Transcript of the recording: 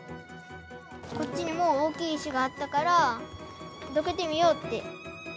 こっちにも、大きい石があったから、どけてみようって。